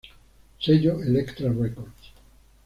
Sello: Elektra Records